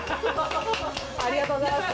ありがとうございます。